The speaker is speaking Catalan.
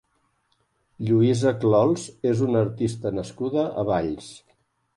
Lluïsa Clols és una artista nascuda a Valls.